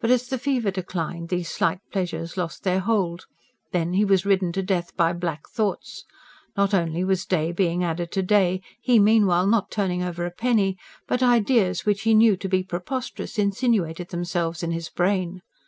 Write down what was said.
But as the fever declined, these slight pleasures lost their hold. Then he was ridden to death by black thoughts. Not only was day being added to day, he meanwhile not turning over a penny; but ideas which he knew to be preposterous insinuated themselves in his brain.